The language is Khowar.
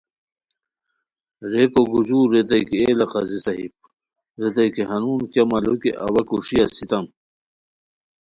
ریکو گجور ریتائے کی اے لا قاضی صاحب ریتائے کی ہنون کیہ مالو کی اوا کوݰی اسیتام